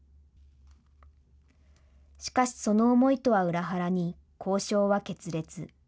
しかし、その思いとは裏腹に交渉は決裂。